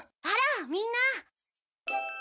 あらみんな。